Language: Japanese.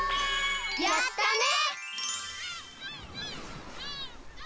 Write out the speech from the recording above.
やったね！